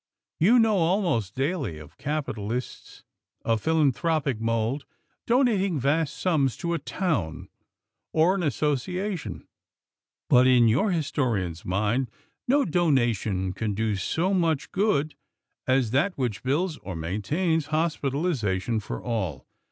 You know, almost daily, of capitalists of philanthropic mold, donating vast sums to a town or an association; but, in your historian's mind, no donation can do so much good as that which builds, or maintains hospitalization for all.